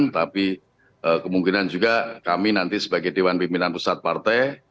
tapi kemungkinan juga kami nanti sebagai dewan pimpinan pusat partai